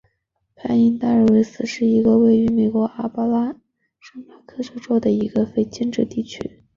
派因代尔绍尔斯是一个位于美国阿拉巴马州圣克莱尔县的非建制地区。